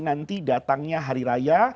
nanti datangnya hari raya